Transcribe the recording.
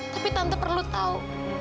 tapi tante perlu tahu